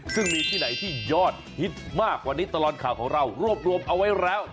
ซึ่งมีที่ไหนที่ยอดฮิตมากวันนี้ตลอดข่าวของเรารวบรวมเอาไว้แล้ว